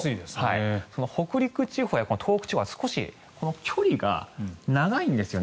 北陸地方や東北地方は少し距離が長いんですよね。